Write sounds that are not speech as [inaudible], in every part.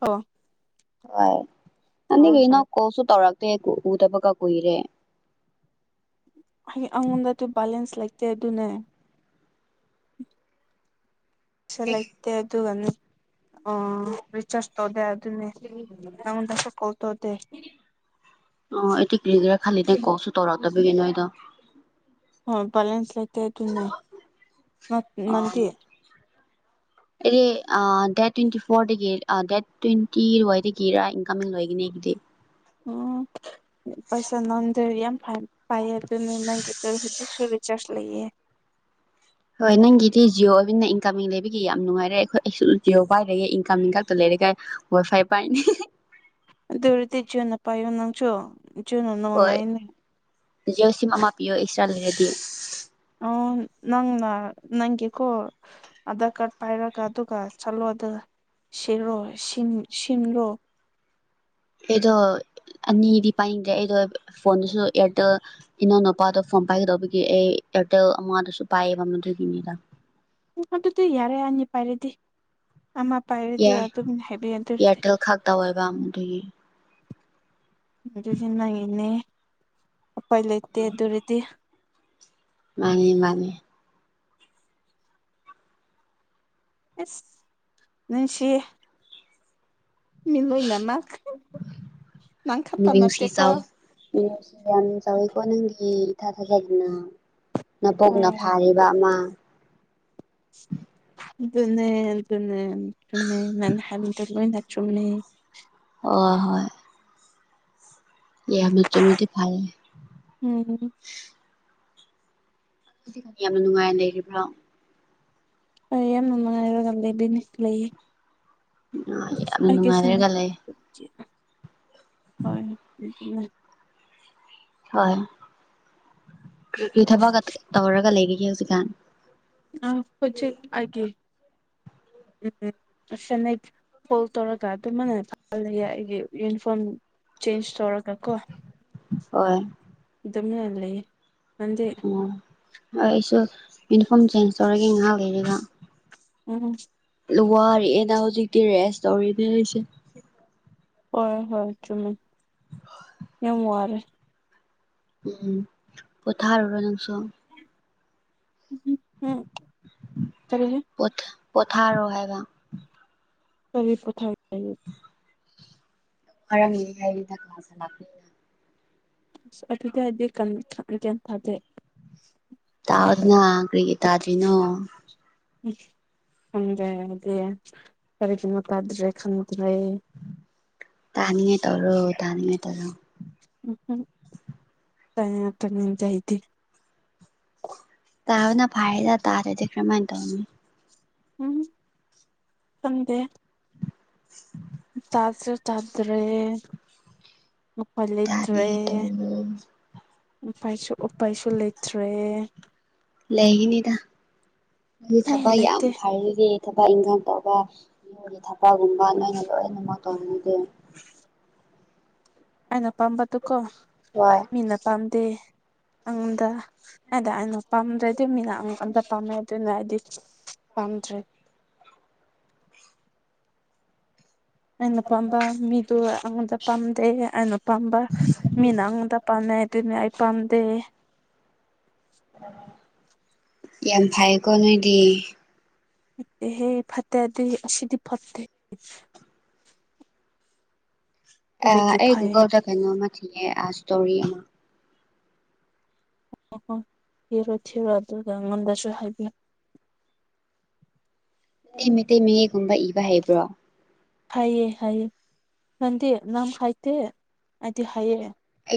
ꯀꯣ ꯍꯣꯏ ꯍꯣꯏ ꯑꯩ ꯎꯗꯕ ꯀꯥ ꯀꯨꯏꯔꯦ ꯇꯦ ꯗꯨꯅꯦ ꯄꯩꯁꯥ ꯂꯩꯇꯦ ꯑꯗꯨꯒꯅꯦ ꯔꯤꯆꯥꯔꯖ ꯇꯧꯗꯦ ꯑꯗꯨꯅꯦ [unintelligible] ꯀꯣꯜ ꯇꯧꯗꯦ ꯑꯣ ꯑꯩꯗꯤ ꯀ꯭ꯔꯤꯒꯦ꯭ꯔꯥ ꯈꯜꯂꯤꯅꯦ ꯀꯣꯜꯁꯨ ꯇꯧꯔꯛꯇꯕꯤꯒꯤ ꯅꯣꯏꯗꯣ ꯍꯣꯏ ꯕꯦꯂꯦꯟꯁ ꯂꯩꯇꯦ ꯑꯗꯨꯅꯦ ꯅꯪꯗꯤ ꯑꯩꯗꯤ ꯗꯦꯠ ꯇ꯭ꯋꯦꯟꯇꯤ ꯐꯣꯔꯗꯒꯤ ꯗꯦꯠ ꯇ꯭ꯋꯦꯟꯇꯤ ꯋꯥꯏꯗꯒꯤꯔ ꯏꯟꯀꯃꯤꯡ ꯂꯣꯒꯅꯤ ꯑꯗꯨꯗꯤ ꯎꯝ ꯄꯩꯁꯥ ꯅꯪꯗ꯭ꯔꯦ ꯌꯥꯝ ꯐꯩ ꯄꯥꯏꯌꯦ ꯑꯗꯨꯅ ꯅꯪꯒꯤ ꯀꯇ ꯍꯧꯖꯤꯛꯁꯨꯔꯤ ꯆꯔꯖ ꯂꯩꯌꯦ ꯍꯣꯏ ꯅꯪꯒꯤꯗꯤ ꯖꯤꯑꯣ ꯑꯣꯏꯕꯤꯟꯅ ꯏꯟꯀꯝꯃꯤꯡ ꯂꯩꯕꯒꯤ ꯌꯥꯝ ꯅꯨꯡꯉꯥꯏꯔꯦ ꯑꯩꯈꯣꯏ ꯑꯩꯁꯨ ꯖꯤꯑꯣ ꯄꯥꯏꯔꯒꯦ ꯏꯟꯀꯃꯤꯡ ꯈꯛꯇ ꯂꯩꯔꯦ ꯀꯥꯏ ꯋꯥꯏ ꯐꯥꯏ ꯄꯥꯏꯅꯤ ꯑꯗꯨꯔꯗꯤ ꯖꯤꯑꯣꯅ ꯄꯥꯏꯌꯣ ꯅꯪꯁꯨ ꯖꯤꯟꯣꯅ ꯍꯣꯏ ꯅꯨꯡꯉꯥꯏꯅꯤ ꯖꯤꯑꯣ ꯁꯤꯝ ꯑꯃ ꯄꯤꯌꯣ ꯏꯑꯛꯇ꯭ꯔꯥ ꯂꯩꯔꯗꯤ ꯑꯣ ꯅꯪꯅ ꯅꯪꯒꯤꯀꯣ ꯑꯙꯥꯔ ꯀꯥꯔꯠ ꯄꯥꯏꯔꯒ ꯑꯗꯨꯝ ꯆꯜꯂꯣꯗ ꯁꯦꯔꯣ ꯁꯤꯝ ꯁꯤꯝꯂꯣ ꯑꯩꯗꯣ ꯑꯅꯤꯗꯤ ꯄꯥꯏꯅꯤꯡꯗ꯭ꯔꯦ ꯑꯩꯗꯣ ꯐꯣꯟꯗꯨꯁꯨ ꯏꯌꯥꯔꯇꯦꯜ ꯏꯅꯥꯎꯅꯨꯄꯥꯗꯣ ꯐꯣꯟ ꯄꯥꯏꯒꯗꯧꯕꯒꯤ ꯑꯩ ꯑꯦꯔꯇꯦꯜ ꯑꯃꯗꯨꯁꯨ ꯄꯥꯏꯑꯦꯕ ꯑꯗꯨꯒꯤꯅꯤꯗ ꯎꯝ ꯑꯗꯨꯗꯤ ꯌꯥꯔꯦ ꯑꯅꯤ ꯄꯥꯏꯔꯗꯤ ꯑꯃꯥ ꯄꯥꯏꯔꯗꯤ ꯌꯥꯏ ꯑꯗꯨꯝ ꯍꯦꯕꯤ ꯑꯟꯗꯨꯔꯗꯤ ꯏꯌꯥꯔꯇꯦꯜ ꯈꯛꯇ ꯑꯣꯏꯕ ꯑꯗꯨꯒꯤ ꯑꯗꯨꯗꯤ ꯅꯪꯒꯤꯅꯦ ꯎꯄꯥꯏ ꯂꯩꯇꯦ ꯑꯗꯨ ꯑꯣꯏꯔꯗꯤ ꯃꯥꯅꯤ ꯃꯥꯅꯤ ꯑꯁ ꯅꯨꯡꯁꯤꯌꯦ ꯃꯤꯂꯣꯏꯅꯃꯛ ꯅꯪ ꯈꯛꯇ ꯃꯤꯅꯨꯡꯁꯤ ꯅꯠꯇꯦꯀꯣ ꯆꯥꯎ ꯌꯥꯝ ꯆꯩ ꯀꯣ ꯅꯪꯦ ꯊꯥ ꯊꯥꯖꯒꯤꯅ [unintelligible] ꯅꯀꯣꯛꯅ ꯑꯦ ꯐꯥꯔꯤ ꯑꯃ ꯑꯗꯨꯅꯦ ꯑꯗꯨꯅꯦ ꯑꯗꯨꯨꯅ ꯑꯗꯨꯅꯦ ꯅꯪ ꯍꯥꯏꯔꯤꯕꯗꯨ ꯂꯣꯏꯅ ꯆꯨꯝꯃꯦ ꯍꯣꯏ ꯍꯣꯏ ꯌꯥꯝꯅ ꯆꯨꯝꯃꯗꯤ ꯐꯥꯔꯦ ꯎꯝ ꯌꯥꯝꯅ ꯅꯨꯡꯉꯥꯏꯅ ꯂꯩꯔꯤꯕ꯭ꯔꯣ ꯑꯩ ꯌꯥꯝ ꯅꯨꯡꯉꯥꯏꯔꯒ ꯂꯩꯕꯅꯤ ꯂꯩꯌꯦ ꯌꯥꯝꯅ ꯅꯨꯡꯉꯥꯏ ꯀꯦꯁꯤ ꯂꯩꯔꯒ ꯂꯩ [unintelligible] ꯍꯣꯏ ꯍꯣꯏ ꯀꯔꯤ ꯀꯔꯤ ꯊꯕꯛ ꯀ ꯇꯣꯔꯒ ꯂꯩꯔꯤꯒꯦ ꯍꯧꯖꯤꯛꯀꯥꯟ ꯅꯪ ꯍꯧꯖꯤꯛ ꯑꯩꯒꯤ [inaudible] ꯎꯝ ꯐꯣꯜ ꯇꯧꯔꯒ ꯑꯗꯨꯃꯅ ꯐꯍꯂ ꯑꯩꯒꯤ ꯌꯨꯅꯤꯐꯣꯔꯝ ꯆꯦꯟꯖ ꯇꯧꯔꯒ ꯀꯣ ꯍꯣꯏ ꯑꯗꯨꯝꯅ ꯂꯩꯌꯦ ꯅꯪꯗꯤ ꯍꯣꯏ ꯑꯩꯁꯨ ꯌꯨꯅꯤꯐꯣꯔꯝ ꯆꯦꯟꯖ ꯇꯧꯔꯒꯦ ꯉꯥꯏꯍꯥꯛ ꯂꯩꯕ ꯎꯝ ꯋꯥꯔꯦꯅ ꯍꯧꯖꯤꯛꯇꯤ ꯔꯦꯁ ꯇꯧꯔꯤꯅꯦ ꯑꯩꯁꯦ ꯍꯣꯏ ꯍꯣꯏ ꯆꯨꯝꯃꯤ ꯌꯥꯝ ꯋꯥꯔꯦ ꯎꯝ ꯄꯣꯊꯥꯔꯨꯔꯣ ꯅꯪꯁꯨ ꯎꯝ ꯎꯝ ꯀꯔꯤ ꯄ ꯄꯣꯊꯥꯔꯣ ꯍꯥꯥꯏꯕ INAUDIBLE UNINTELLIGIBLE UNINTELLIGIBLE ꯇꯥꯎꯗꯅ ꯀ꯭ꯔꯤꯒꯤ ꯇꯥꯗ꯭ꯔꯤꯅꯣ ꯎ ꯈꯪꯗꯦ ꯍꯥꯢꯗꯤ ꯀꯔꯤꯒꯤꯅꯣ ꯇꯥꯗ꯭ꯔꯦ ꯈꯟ INAUDIBLE ꯇꯥꯅꯤꯡꯉꯥꯢ ꯇꯧꯔꯣ- ꯇꯥꯅꯤꯡꯉꯥꯢ ꯇꯧꯔꯣ UNINTELLIGIBLE ꯇꯥꯕꯅ ꯐꯔꯦꯗ ꯇꯥꯗꯔꯗꯤ ꯀꯔꯝꯃꯥꯏꯅ ꯇꯧꯅꯤ UNINTELLIGIBLE INAUDIBLE ꯆꯥꯖꯨ ꯆꯥꯗ꯭ꯔꯦ ꯎꯄꯥꯢ ꯂꯩꯇ꯭ꯔꯦ ꯇꯥꯅꯤꯡꯉꯥꯏ ꯇꯧꯔꯣ ꯎꯄꯥꯢꯁꯨ ꯎꯄꯥꯏꯁꯨ ꯂꯩꯇ꯭ꯔꯦ ꯂꯩꯒꯤꯅꯤꯗ ꯅꯣꯢ ꯑꯩ ꯊꯕꯛ ꯌꯥꯝ ꯂꯩꯇꯦ ꯐꯔꯤꯖꯤꯗꯤ ꯊꯕꯛ-ꯏꯪꯈꯥꯡ ꯇꯧꯕ ꯏꯃꯨꯡꯒꯤ ꯊꯕꯛꯒꯨꯝꯕ ꯅꯣꯏꯅ ꯂꯣꯏꯅꯃꯛ ꯇꯧꯅꯤꯡꯗꯦ ꯑꯩꯅ ꯄꯥꯝꯕꯗꯨꯀꯣ ꯍꯣꯏ ꯃꯤꯅ ꯄꯥꯝꯗꯦ UNINTELLIGIBLE ꯄꯥꯝꯗ꯭ꯔꯦ ꯑꯩꯅ ꯄꯥꯝꯕ ꯃꯤꯗꯣ ꯑꯩꯉꯣꯟꯗ ꯄꯥꯝꯗꯦ ꯑꯩꯅ ꯄꯥꯝꯕ ꯃꯤꯅ ꯑꯩꯉꯣꯟꯗ ꯄꯥꯝꯅꯩ ꯑꯗꯨꯅꯦ ꯑꯩ ꯄꯥꯝꯗꯦ ꯌꯥꯝ ꯊꯥꯢꯌꯦꯀꯣ ꯅꯣꯏꯗꯤ ꯐꯠꯇꯦꯍꯦ ꯐꯠꯇꯦ ꯍꯥꯢꯗꯤ ꯁꯤꯗꯤ ꯐꯠꯇꯦ ꯑꯥ ꯀꯔꯤꯒꯤ ꯑꯩ ꯐꯩꯌꯦ ꯒꯨꯒꯜꯗ ꯀꯩꯅꯣꯝꯃ ꯊꯤꯒꯦ ꯑꯥ ꯁꯇꯣꯔꯤ ꯑꯃ ꯊꯤꯔꯣ ꯊꯤꯔꯣ ꯑꯗꯨꯒ ꯉꯝꯗꯁꯨ ꯍꯥꯏꯕꯤꯌꯨ ꯃꯤꯇꯩ ꯃꯌꯦꯛꯀꯨꯝꯕ ꯏꯕ ꯍꯩꯕ꯭ꯔꯣ UNINTELLIGIBLE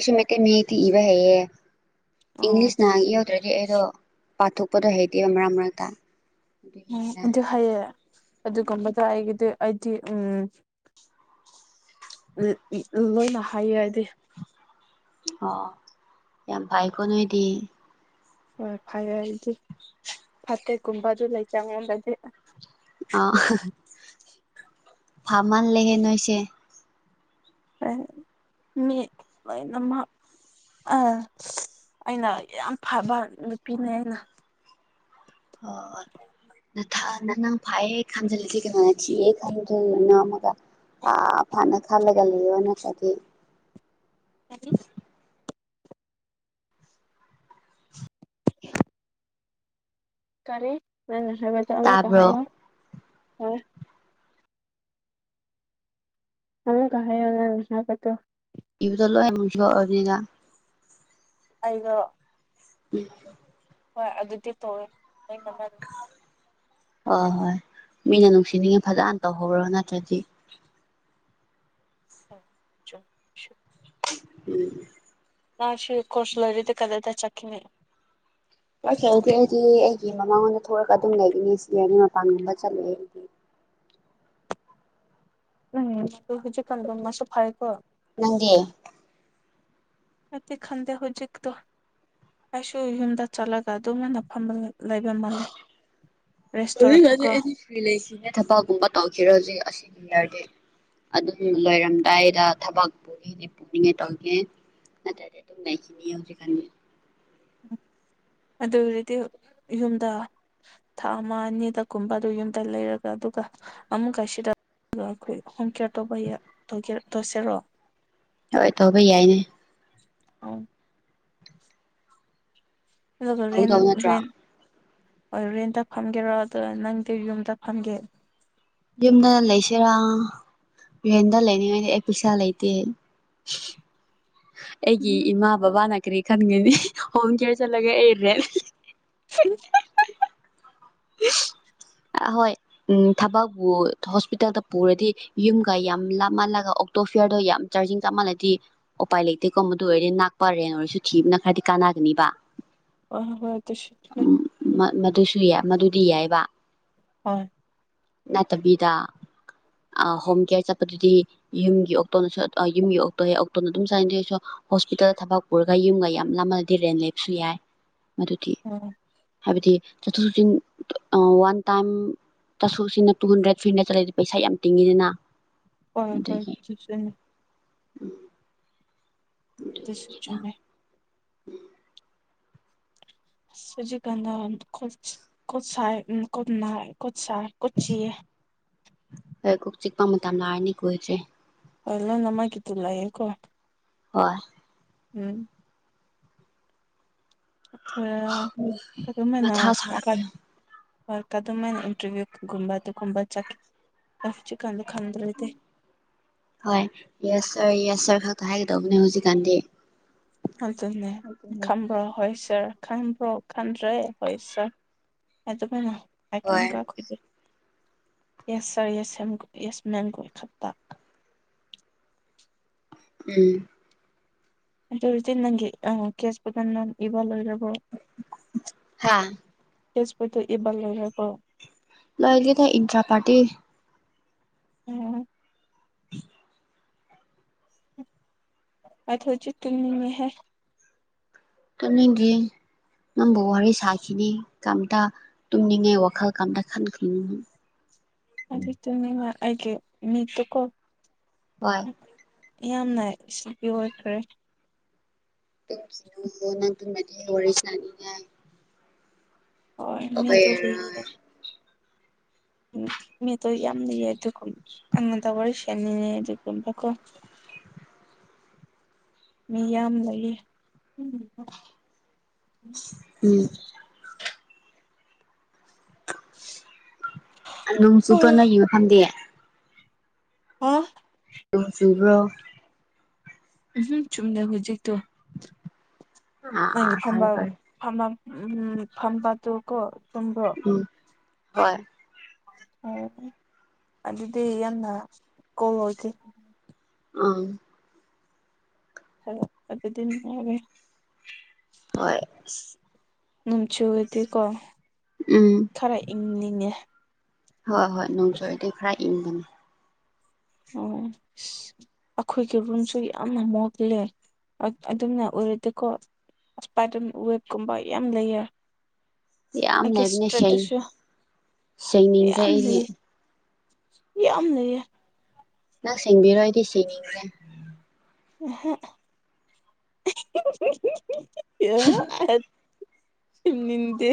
ꯑꯩꯁꯨ ꯃꯤꯇꯩ ꯃꯌꯦꯛꯇꯤ ꯏꯕ ꯍꯩꯑꯦ ꯑꯣ ꯏꯪꯂꯤꯁꯅ ꯏꯍꯧꯗ꯭ꯔꯗꯤ ꯑꯦ ꯑꯩꯗꯣ ꯄꯥꯊꯣꯛ ꯄꯗꯣ ꯍꯩꯇꯦꯕ ꯃꯔꯛ- ꯃꯔꯛꯇ ꯎꯝ ꯑꯗꯨꯒꯤꯅꯤꯗ ꯑꯗꯨ ꯍꯩꯌꯦ ꯑꯗꯨꯒꯨꯝꯕꯗꯣ ꯑꯩꯒꯤꯗꯤ ꯑꯩꯗꯤ ꯎꯝ ꯎ ꯂꯣꯏꯅ ꯍꯥꯏꯩꯌꯦ ꯍꯥꯏꯗꯤ ꯑꯣꯑꯣ ꯌꯥꯝ ꯐꯩꯀꯣ ꯅꯣꯏꯗꯤ ꯍꯣꯏ ꯐꯩ ꯑꯩꯗꯤ ꯐꯠꯇꯦꯀꯨꯝꯕ ꯑꯗꯨ ꯂꯩꯇꯦ ꯑꯩꯉꯣꯟꯗꯗꯤ ꯑꯥ ꯐꯥꯥ ꯃꯟꯂꯦꯍꯦ ꯅꯣꯏꯁꯦ ꯃꯤꯠ ꯂꯣꯏꯅꯃꯛ ꯑꯥ ꯑꯩꯅ ꯌꯥꯝ ꯐꯕ ꯅꯨꯄꯤꯅꯦ ꯑꯩꯅ ꯑꯣꯑꯣ ꯊꯥꯅ ꯅꯪ ꯐꯩꯌꯦ UNINTELLIGIBLE ꯑꯥ ꯐꯥꯅ ꯐꯥꯅꯒ ꯂꯩꯌꯣ ꯅꯠꯇ꯭ꯔꯗꯤ INAUDIBLE INAUDIBLE ꯇꯥꯕ꯭ꯔꯣ UNINTELLIGIBLE ꯑꯃꯨꯛꯀ ꯍꯥꯏꯌꯣ ꯅꯪ ꯅꯁꯥꯏ ꯋꯥꯗꯣ UNINTELLIGIBLE ꯑꯩꯗꯣ ꯎꯝ ꯍꯣꯏ ꯑꯗꯨꯗꯤ ꯇꯧꯋꯦ ꯅꯣꯏ ꯃꯃꯜ ꯍꯣꯏ ꯍꯣꯏ ꯃꯤꯅ ꯅꯨꯡꯁꯤꯅꯤꯡꯉꯥꯢ ꯐꯖꯅ ꯇꯧꯍꯧꯔꯣ ꯅꯠꯇ꯭ꯔꯗꯤ ꯍꯣꯢ ꯆꯨꯝ ꯁꯨꯠ [unintelligible] ꯎꯝ ꯃꯁꯨ ꯀꯣꯔꯁ ꯂꯣꯢꯔꯗꯤ ꯀꯗꯥꯢꯗ ꯆꯠꯈꯤꯅꯤ ꯒꯤ ꯃꯃꯥꯡꯂꯣꯝꯗ ꯊꯣꯛꯔꯒ ꯑꯗꯨꯝ ꯂꯩꯕꯅꯤ ꯁꯤꯔꯅꯤ ꯃꯄꯥꯟꯒꯨꯝꯕ ꯆꯠꯂꯣꯢ ꯑꯩꯗꯤ ꯎꯝ ꯑꯗꯨ ꯍꯧꯖꯤꯛꯀꯥꯟꯗꯨ ꯃꯥꯁꯨ ꯐꯥꯔꯦꯀꯣ ꯅꯪꯗꯤ ꯑꯩꯗꯤ ꯈꯪꯗꯦ ꯍꯧꯖꯤꯛꯗꯨ ꯑꯩꯁꯨ ꯌꯨꯝꯗ ꯆꯠꯂꯒ ꯑꯗꯨꯃꯥꯏꯅ ꯐꯝꯕꯅꯦ ꯍꯥ ꯍꯧꯖꯤꯛ ꯍꯧꯖꯤꯛ ꯇꯧꯔꯒꯀꯣ ꯑꯩꯗꯤ ꯐꯔꯤ ꯂꯩꯁꯤꯅꯦ ꯊꯕꯛꯀꯨꯝꯕ ꯇꯧꯈꯤꯔꯦ ꯍꯧꯖꯤꯛ ꯑꯁꯤ ꯍꯥꯔꯗꯤ ꯑꯗꯨꯝ ꯂꯣꯏꯔꯝꯗꯥꯏꯗ ꯊꯕꯛ ꯄꯨꯕꯤꯅꯤ ꯄꯨꯕꯤꯅꯤ ꯇꯧꯒꯦ ꯅꯠꯇ꯭ꯔꯥꯗꯤ ꯑꯗꯨꯝ ꯂꯩꯈꯤꯅꯤ ꯍꯧꯖꯤꯛꯀꯥꯟꯗꯤ ꯑꯗꯨ ꯑꯣꯢꯔꯗꯤ ꯌꯨꯝꯗ ꯊꯥ ꯑꯃ ꯑꯅꯤꯗ ꯀꯨꯝꯕ ꯑꯗꯨ ꯌꯨꯝꯗ ꯂꯩꯔꯒ ꯑꯗꯨꯒ ꯑꯃꯨꯛꯀ ꯁꯤꯗ ꯑꯗꯨꯒ ꯑꯩꯈꯣꯏ ꯍꯣꯝ ꯀꯦꯌꯔ ꯇꯧꯕ ꯍꯥ ꯇꯧꯒꯦ ꯇꯧꯁꯦꯔꯣ ꯍꯣꯏ ꯇꯧꯕ ꯌꯥꯏꯅꯦ ꯑꯣ ꯑꯗꯨꯒ ꯇꯧ ꯔꯦꯟ ꯇꯧ ꯅꯠꯇ꯭ꯔꯣ ꯔꯦꯟ ꯍꯣꯏ ꯔꯦꯟꯇ ꯐꯝꯒꯦꯔ ꯑꯗꯨꯒ ꯅꯪꯗꯤ ꯌꯨꯝꯗ ꯐꯝꯒꯦ ꯌꯨꯝꯗ ꯂꯩꯁꯦꯔꯥ ꯔꯦꯟꯗ ꯂꯩꯅꯤꯡꯉꯥꯢꯗꯤ ꯑꯩ ꯄꯤꯁꯥ ꯂꯩꯇꯦ ꯑꯩꯒꯤ ꯎꯝ ꯏꯃꯥ ꯕꯕꯥꯅ ꯀꯔꯤ ꯈꯟꯒꯅꯤ ꯍꯣꯝ ꯀꯦꯌꯔ ꯆꯠꯂꯒ ꯑꯩ ꯔꯦꯟ ꯢꯍꯤꯍꯤ ꯍꯨꯝ ꯑꯦ ꯑꯍꯣꯏ ꯎꯝ ꯊꯕꯛꯕꯨꯨ ꯍꯣꯁꯄꯤꯇꯥꯜꯗ ꯄꯨꯔꯗꯤ ꯌꯨꯝꯒ ꯌꯥꯝ ꯂꯥꯞꯃꯜꯂꯒ ꯑꯣꯛꯇꯣ ꯐꯤꯌꯥꯔꯗꯣ ꯌꯥꯝ ꯆꯥꯔꯖꯤꯡ ꯆꯠ ꯃꯟꯂꯗꯤ ꯎꯄꯥꯏ ꯂꯩꯇꯦꯀꯣ ꯃꯗꯨ ꯑꯣꯏꯔꯦ ꯅꯛꯄ ꯔꯦꯟ ꯑꯣꯏꯔꯁꯨ ꯊꯤꯕꯅ ꯈꯔꯗꯤ ꯀꯥꯟ ꯀꯟꯅꯥꯒꯅꯤꯕ ꯍꯣꯢ ꯍꯣꯢ ꯍꯣꯏ ꯗꯨꯁꯨꯠꯅꯦ ꯃꯗꯨꯁꯨ ꯌꯥꯏ ꯃꯗꯨꯗꯤ ꯌꯥꯏꯌꯦꯕ ꯍꯣꯢ ꯅꯠꯇꯕꯤꯗ ꯍꯣꯝ ꯀꯦꯌꯔ ꯆꯠꯄꯗꯨꯗꯤ ꯌꯨꯝꯒꯤ ꯑꯣꯛꯇꯣꯅꯁꯨ ꯑ ꯌꯨꯝꯒꯤ ꯑꯣꯛꯇꯣꯌꯦ ꯑꯣꯛꯇꯣꯅ ꯑꯗꯨꯝ ꯆꯥꯏꯟꯗꯦꯁꯨ ꯍꯣꯁꯄꯤꯇꯥꯜꯗ ꯊꯕꯛ ꯄꯨꯔꯒ ꯌꯨꯝꯒ ꯌꯥꯝ ꯂꯥꯞꯃꯟꯂꯗꯤ ꯔꯦꯟ ꯂꯩꯕꯁꯨ ꯌꯥꯏ ꯑꯗꯨꯗꯤ ꯎꯝ ꯍꯥꯏꯕꯗꯤ ꯆꯠꯊꯣꯛ ꯆꯠꯁꯤꯟ ꯑꯥ ꯋꯥꯟ ꯇꯥꯏꯝ ꯆꯠꯊꯣꯛ ꯁꯤꯅ ꯇꯨ ꯍꯟꯗ꯭ꯔꯦꯠ ꯊ꯭ꯔꯤ ꯍꯟꯗ꯭ꯔꯦꯠ ꯆꯠꯂꯗꯤ ꯄꯩꯁꯥ ꯌꯥꯝ ꯇꯤꯡꯉꯤꯗꯅ ꯍꯣꯏ ꯍꯣꯏ ꯆꯨꯁꯦ ꯎꯝ ꯗꯨꯁꯨ ꯆꯨꯝꯃꯦ ꯎꯝ ꯁꯤꯖꯤ ꯀꯟꯗ ꯀꯣꯠ ꯀꯣꯠ ꯁꯥꯢ ꯎꯝ ꯀꯣꯠ ꯅꯥꯢ ꯀꯣꯠ ꯁꯥꯢ ꯀꯣꯛ ꯆꯤꯛꯑꯦ ꯍꯣꯏ ꯀꯣꯛ ꯆꯤꯛꯄ ꯃꯇꯝ ꯂꯥꯛꯔꯅꯤ ꯀꯨꯏꯗ꯭ꯔꯦ ꯑꯥ ꯂꯣꯢꯅꯃꯛꯀꯤꯗꯨ ꯂꯩꯌꯦꯀꯣ ꯍꯣꯢ ꯎꯝ [unintelligible] ꯍꯣꯢ [unintelligible] ꯃꯥꯢꯅ ꯃꯊꯥ ꯁꯥꯔꯛꯀꯅꯨ ꯏꯟꯇ꯭ꯔꯚꯌꯨ ꯒꯨꯝꯕ ꯑꯗꯨꯒꯨꯝꯕ ꯆꯠ [unintelligible] ꯍꯣꯏ ꯌꯦꯁ ꯁꯔ ꯌꯦꯁ ꯁꯔ ꯈꯛꯇꯥ ꯍꯥꯏꯒꯗꯧꯕꯅꯦ ꯍꯧꯖꯤꯛꯀꯥꯟꯗꯤ ꯑꯗꯨꯅꯦ ꯈꯝꯕ꯭ꯔꯣ ꯍꯣꯏ ꯁꯥꯔ ꯈꯟ ꯕꯔꯣ ꯈꯟꯗ꯭ꯔꯦ ꯍꯣꯏ ꯁ꯭ꯔ ꯑꯗꯨꯃꯥꯏꯅ ꯍꯣꯏ [unintelligible] ꯌꯦꯁ ꯁꯔ ꯌꯦꯁ [unintelligible] ꯎꯝ ꯑꯗꯨꯔꯗꯤ ꯅꯪꯒꯤ [unintelligible] ꯍꯥꯥ [unintelligible] ꯂꯣꯏꯔꯕꯣ ꯂꯣꯏꯗꯦꯗ ꯏꯟꯇ꯭ꯔꯥ ꯄꯥꯥꯔꯇꯤ ꯎꯝ [unintelligible] ꯇꯨꯝꯅꯤꯡꯒꯤ ꯅꯪꯕꯨ ꯋꯥꯔꯤ ꯁꯥꯈꯤꯅꯤ ꯀꯝꯇ ꯇꯨꯝꯅꯤꯡꯉꯦ ꯋꯥꯈꯜ ꯀꯝꯇ ꯈꯟꯈꯤꯅꯤ ꯑꯗꯨ [unintelligible] ꯑꯩꯒꯤ ꯃꯤꯠꯇꯀꯣ ꯍꯣꯏ ꯌꯥꯝꯅ ꯏ꯭ꯁꯂꯤꯄꯤ ꯑꯣꯏꯈ꯭ꯔꯦ [unintelligible] ꯋꯥꯔꯤ ꯁꯥꯅꯤꯡꯉꯥꯏ ꯇꯧꯕ ꯌꯥꯔꯣꯏ [unintelligible] ꯎ ꯝꯃꯤꯇꯣ ꯌꯥꯝ ꯂꯩꯌꯦ ꯑꯗꯨꯒꯨꯝ ꯑꯉꯣꯟꯗ ꯋꯥꯔꯤ ꯁꯦꯅꯤꯡꯅꯦ ꯑꯗꯨꯒꯨꯝꯕꯀꯣ [inaudible] ꯃꯤ ꯌꯥꯝ ꯂꯩꯌꯦ ꯎꯝ ꯍꯥ [unintelligible] ꯑꯣ ꯅꯣꯡ ꯆꯨꯕ꯭ꯔꯣ ꯎꯝꯍꯝ ꯆꯨꯝꯗꯦ ꯍꯨꯖꯤꯛꯇꯣ ꯑꯥ ꯅꯪꯒꯤ ꯑꯥ ꯐꯔꯦ ꯐꯝꯕ ꯐꯔꯦ ꯐꯝꯕ ꯎꯝ ꯐꯝꯕꯗꯨ ꯀꯣ ꯆꯨꯝꯕ꯭ꯔꯣ ꯎꯝ ꯍꯣꯏ ꯑꯣ ꯑꯗꯨꯗꯤ ꯌꯥꯝꯅ ꯀꯣꯜꯂꯣꯏꯀꯤ ꯑꯝ [unintelligible] ꯍꯣꯏ ꯅꯨꯝꯆꯨꯑꯗꯤꯀꯣ ꯎꯝ ꯈꯔ ꯏꯪꯅꯤꯡꯉꯦ ꯍꯣ ꯍꯣꯏ ꯅꯣꯡ ꯆꯨꯔꯗꯤ ꯈꯔ ꯏꯪꯕꯅꯦ ꯑꯣ ꯑꯈꯣꯏꯒꯤ ꯔꯨꯝꯁꯨ ꯌꯥꯝꯅ ꯃꯣꯂꯦ ꯑ ꯑꯗꯨꯝꯅ ꯎꯔꯗꯤꯀꯣ ꯏꯁꯄꯥꯥꯏꯇꯝ ꯎ ꯋꯦꯕꯀꯨꯝꯕ ꯌꯥꯝ ꯂꯩꯌꯦ ꯌꯥꯝ ꯂꯩꯕꯅꯦ ꯁꯦꯡ [unintelligible] ꯁꯨ ꯁꯦꯡꯅꯤꯡꯗ꯭ꯔꯦ ꯌꯥꯝ ꯑꯩꯗꯤ ꯂꯩꯌꯦ ꯌꯥꯝ ꯂꯩꯌꯦ ꯅꯪ ꯁꯦꯡꯕꯤꯔꯣꯏꯗꯤ ꯁꯦꯡꯅꯤꯡꯗꯦ [unintelligible] ꯁꯤꯅꯤꯡꯗꯦ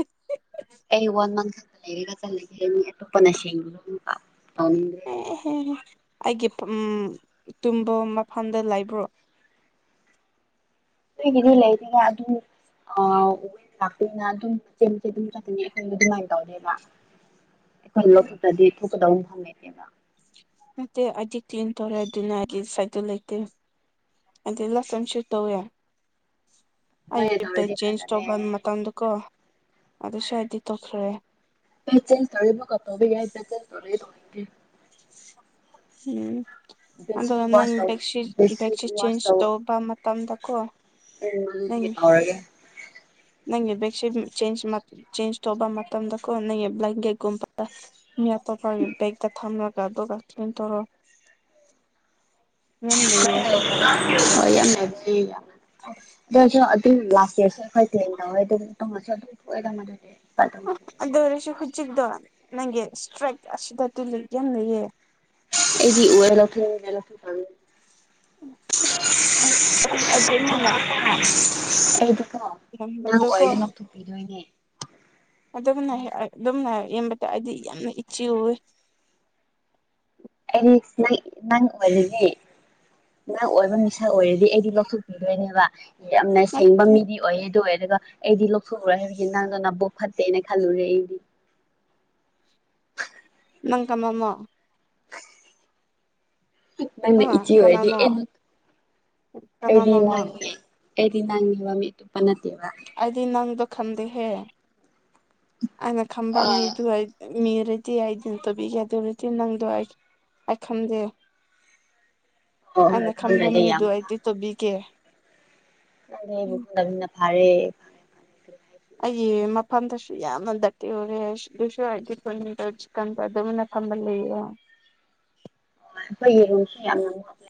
ꯑꯩ [unintelligible] ꯃꯤ ꯑꯇꫭꯞꯄꯅ [unintelligible] ꯑꯃꯨꯛꯀ ꯇꯧꯅꯤꯡꯗ꯭ꯔꯦꯕ ꯑꯝꯇ ꯑꯩꯒꯤ ꯎꯝ ꯇꯨꯝꯕ ꯃꯐꯝꯗ ꯂꯩꯕ꯭ꯔꯣ ꯑꯩꯒꯤꯗꯤ ꯂꯩꯇꯦꯗ ꯑꯗꯨ [unintelligible] ꯑꯗꯨꯝ ꯃꯆꯦ ꯃꯆꯦ ꯑꯗꯨꯝ [unintelligible] ꯑꯈꯣꯏꯗꯤ ꯑꯗꯨꯝꯃꯥꯏꯅ ꯇꯧꯗꯦꯕ ꯑꯩꯈꯣꯏ ꯂꯧꯕꯨꯛꯇꯗꯤ ꯊꯣꯛꯀꯗꯧ ꯃꯐꯝ ꯂꯩꯇꯦꯕ ꯅꯠꯇꯦ ꯑꯩꯗꯤ ꯀ꯭ꯂꯤꯟ ꯇꯧꯔꯦ ꯑꯗꯨꯅ ꯑꯩꯗꯤ ꯁꯥꯏꯠꯇ ꯂꯩꯇꯦ [unintelligible] ꯇꯧꯋꯦ ꯅꯣꯏꯅ ꯑꯌꯨꯛꯇ ꯇꯧꯔꯗꯤ ꯆꯦꯟꯖ ꯐꯖꯔꯦ ꯇꯧꯕ ꯃꯇꯝꯗ ꯀꯣ ꯑꯗꯨ ꯁ꯭ꯋꯥꯏꯗꯤ ꯇꯧꯈ꯭ꯔꯦ [unintelligible] ꯇꯧꯅꯤꯡꯗꯦ ꯎꯝ ꯑꯗꯣ ꯕꯦꯠꯁꯤꯠ ꯅꯪ ꯋꯥꯁ ꯇꯧ ꯕꯦꯛꯁꯤ ꯕꯦꯠꯁꯤꯠ ꯕꯦꯛꯁꯤ ꯆꯦꯟꯖ ꯇꯧꯕ ꯃꯇꯝꯗꯀꯣ [unintelligible] ꯅꯪ ꯇꯤꯀꯦꯠ ꯐꯥꯎꯔꯒꯦ ꯅꯪꯒꯤ ꯕꯦꯛꯁꯤꯠ ꯆꯦꯟꯖ ꯃꯛ ꯆꯦꯟꯖ ꯇꯧꯕ ꯃꯇꯝꯗꯀꯣ ꯅꯪꯒꯤ ꯕ꯭ꯂꯥꯡꯀꯦꯠ ꯀꯨꯝꯕ ꯃꯤ ꯑꯇꯣꯞꯄꯥꯒꯤ ꯕꯦꯛꯗ ꯊꯝꯂꯒ ꯗꯨꯒ ꯀꯩꯝ ꯇꯧꯔꯣꯏ [unintelligible] ꯑꯗꫭꯏꯁꯨ ꯑꯗꯨꯝ ꯌꯥꯝ ꯆꯦꯁꯨ ꯑꯩꯈꯣꯏ ꯇꯦꯟ ꯇꯧꯋꯦ ꯑꯗꯨꯝ ꯇꯣꯡꯉꯁꯨ ꯑꯗꯨꯝ ꯊꫭꯑꯦꯗ ꯃꯗꯨꯗꯤ ꯑꯩꯗꯤ ꯑꯗꯨ ꯑꯣꯏꯔꯁꯨ ꯍꯨꯖꯤꯛꯇꯣ ꯅꯪꯒꯤ ꯏꯁꯇ꯭ꯔꯥꯏꯛ ꯑꯁꯤꯗ ꯇꯨꯜ ꯌꯥꯝ ꯂꯩꯌꯦ ꯑꯩꯗꯤ ꯑꯣꯏꯔ [unintelligible] [unintelligible] ꯑꯗꯨꯃꯅ ꯑꯩꯗꫭ [unintelligible] ꯅꯪ ꯏꯔꯝꯕꯗꯣꯀꯣ ꯑꯣꯏꯔꯗꯤ ꯂꯧꯊꯣꯛꯄꯤꯗꯣꯏꯅꯦ ꯑꯗꯨꯝꯅ ꯍꯦꯛ ꯑꯗꯨꯝꯅ ꯌꯦꯝꯕꯗ ꯑꯩꯗꯤ ꯌꯥꯝꯅ ꯏꯆꯨꯋꯦ [unintelligible] ꯅꯪ ꯅꯪ ꯑꯣꯏꯕꯒꯤ ꯅ ꯑꯣꯏꯕ ꯃꯤꯁꯛ ꯑꯣꯏꯔꯗꯤ ꯑꯩꯗꯤ ꯂꯧꯊꯣꯛꯄꯤꯗꯣꯏꯅꯦꯕꯥ ꯌꯥꯝꯅ ꯁꯦꯡꯕ ꯃꯤꯗꯤ ꯑꯣꯏꯌꯦ ꯑꯗꯨ ꯑꯣꯏ [unintelligible] ꯑꯩꯗꯤ ꯂꯧꯊꯣꯛꯎꯔ ꯍꯥꯏꯕꯒꯤ ꯅꯪꯅ ꯅꯕꯨꯛ ꯐꯠꯇꯦꯅ ꯈꯜꯂꯨꯔꯦ ꯑꯩꯗꯤ ꯅꯪ ꯀꯃꯃꯣ ꯅꯪꯅ ꯑꯥ ꯏꯆꯦ ꯑꯣꯏꯔꯗꯤ ꯀꯅꯥꯅꯣ [unintelligible] ꯑꯩꯗꯤ ꯀꯅꯥꯅꯣ ꯅꯪ [unintelligible] ꯑꯩꯗꯤ ꯅꯪꯅꯦꯕ ꯃꯤ ꯑꯇꯣꯞꯄ ꯅꯠ ꯑꯩꯗꯤ ꯅꯪꯗꯣ ꯈꯟꯗꯦꯍꯦ ꯑꯩꯅ ꯈꯟꯕ ꯃꯤꯗꯨ ꯃꯤꯔꯗꯤ ꯑꯩꯗꯤ ꯇꯧꯕꯤꯒꯦ ꯑꯗꯨ ꯑꫭꯏꯔꯗꯤ ꯅꯪꯗꯣ ꯑꯩ ꯑꯩ ꯈꯟꯗꯦ ꯍꯣꯏ ꯍꯣꯏ ꯑꯩꯅ ꯈꯟꯕ ꯈꯪꯗ꯭ꯔꯗꯤ ꯌꯥꯝ ꯃꯤꯗꯣ ꯑꯩꯗꯤ ꯇꯧꯕꯤꯒꯦ ꯅꯪꯗꯤ ꯑꯩꯕꯨ ꯎꯝ ꯈꯪꯗꯝꯅꯤꯅ ꯐꯔꯦ ꯐꯔꯦ ꯐꯔꯦ ꯑꯩꯒꯤ ꯃꯐꯝꯗꯁꯨ ꯌꯥꯝꯅ ꯗꯔꯇꯤ ꯑꯣꯏꯔꯦ [unintelligible] ꯐꯝꯕ ꯂꯩꯌꯦ [unintelligible] ꯌꯦꯡꯉꯨꯁꯦ ꯌꯥꯝꯅ ꯃꯣꯠꯂꯦ